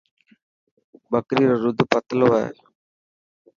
ٻڪري رو ڏوڌ پتلي هي.